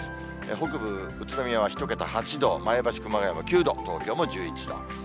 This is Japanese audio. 北部、宇都宮は１桁８度、前橋、熊谷も９度、東京も１１度。